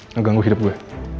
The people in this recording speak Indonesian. ngeganggu hidup gue